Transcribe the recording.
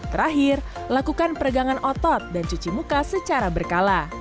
terakhir lakukan peregangan otot dan cuci muka secara berkala